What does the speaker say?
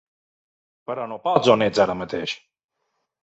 Però no pots on ets ara mateix.